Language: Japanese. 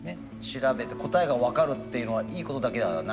調べて答えが分かるっていうのはいいことだけではない。